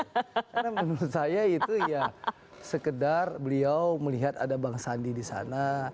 karena menurut saya itu ya sekedar beliau melihat ada bang sandi di sana